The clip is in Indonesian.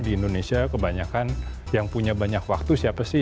di indonesia kebanyakan yang punya banyak waktu siapa sih